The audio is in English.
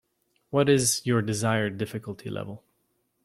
What is your desired difficulty level?